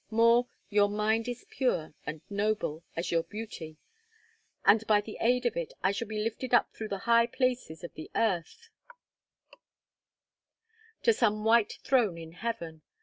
More, your mind is pure and noble as your beauty, and by the aid of it I shall be lifted up through the high places of the earth to some white throne in heaven.